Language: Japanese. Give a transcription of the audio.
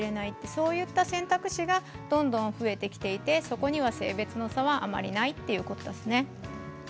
そういった選択肢がどんどん増えてきていてそこには性別の差はあまりないということですね。